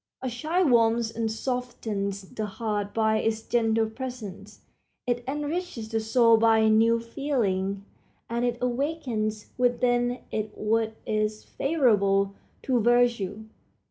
A child warms and softens the heart by its gentle presence; it enriches the soul by new feeling, and it awakens within it what is favorable to virtue.